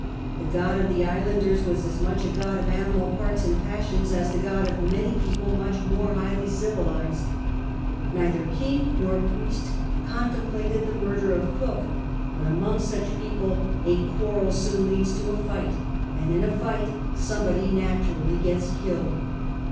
The god of the islanders was as much a god of animal parts and passions as the god of many people much more highly civilised. Neither king nor priest contemplated the murder of Cook ; but among such people a quarrel soon leads to a fight, and in a fight somebody naturally gets killed.